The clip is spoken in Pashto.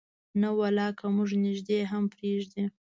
نه ولا که مو نږدې هم پرېږدي.